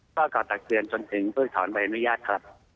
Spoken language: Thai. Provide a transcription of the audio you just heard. ก็กล่าวตักเตือนจนถึงเพิ่งถอนใบอนุญาตครับ